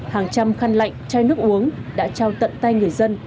hàng trăm khăn lạnh chai nước uống đã trao tận tay người dân